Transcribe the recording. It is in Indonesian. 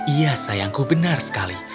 iya sayangku benar sekali